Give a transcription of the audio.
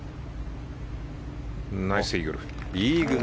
ナイスイーグル。